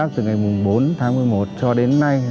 quá trình công tác từ ngày bốn tháng một mươi một cho đến nay